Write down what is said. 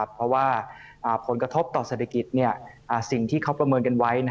เพราะว่าผลกระทบต่อเศรษฐกิจสิ่งที่เขาประเมินกันไว้